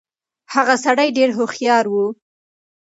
هغه سړی ډېر هوښيار و.